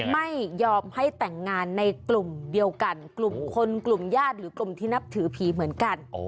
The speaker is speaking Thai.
ไม่ยอมให้แต่งงานในกลุ่มเดียวกันกลุ่มคนกลุ่มญาติหรือกลุ่มที่นับถือผีเหมือนกัน